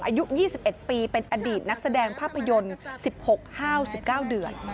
อายุ๒๑ปีเป็นอดีตนักแสดงภาพยนตร์๑๖๕๑๙เดือน